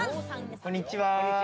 こんにちは。